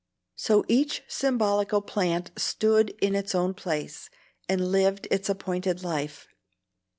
So each symbolical plant stood in its own place, and lived its appointed life.